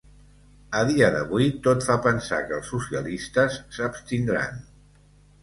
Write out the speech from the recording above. A dia d’avui, tot fa pensar que el socialistes s’abstindran.